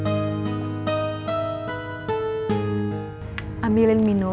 nyonya lugar bardet beni